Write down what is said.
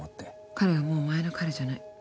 彼はもう前の彼じゃない。